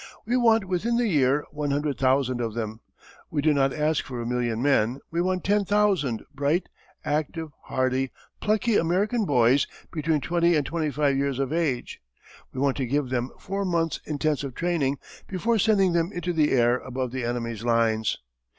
We want within the year 100,000 of them. We do not ask for a million men. We want 10,000 bright, active, hardy, plucky American boys between 20 and 25 years of age. We want to give them four months' intensive training before sending them into the air above the enemy's lines.